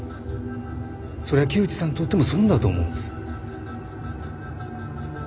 それは木内さんにとっても損だと思うんです。